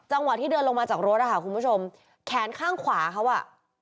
ที่เดินลงมาจากรถอ่ะค่ะคุณผู้ชมแขนข้างขวาเขาอ่ะ